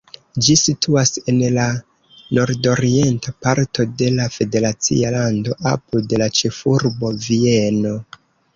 Ĝi situas en la nordorienta parto de la federacia lando, apud la ĉefurbo Vieno.